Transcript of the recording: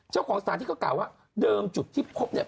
เจ้าของศาลที่เก่าว่าเดิมจุดที่พบเนี่ย